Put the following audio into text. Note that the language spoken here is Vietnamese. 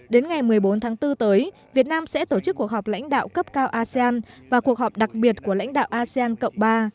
đến ngày một mươi bốn tháng bốn tới việt nam sẽ tổ chức cuộc họp lãnh đạo cấp cao asean và cuộc họp đặc biệt của lãnh đạo asean cộng ba